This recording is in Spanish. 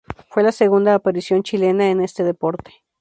Fue la segunda aparición chilena en este deporte.